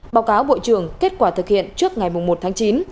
báo cáo bộ trưởng kết quả thực hiện trước ngày một tháng chín